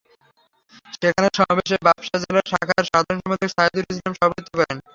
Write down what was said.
সেখানে সমাবেশে বাপসার জেলা শাখার সাধারণ সম্পাদক সাহেদুল ইসলাম সভাপতিত্ব করেন।